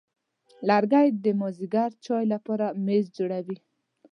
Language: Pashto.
لرګی د مازېګر چای لپاره میز جوړوي.